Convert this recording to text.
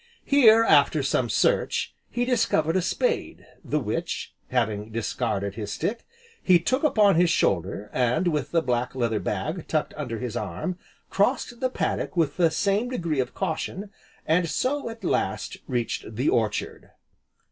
Here, after some search, he discovered a spade, the which, (having discarded his stick), he took upon his shoulder, and with the black leather bag tucked under his arm, crossed the paddock with the same degree of caution, and so, at last, reached the orchard.